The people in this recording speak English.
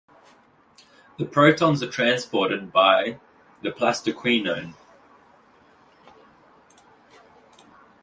The protons are transported by the plastoquinone.